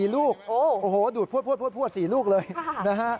๔ลูกโอ้โหดูดพวด๔ลูกเลยนะฮะ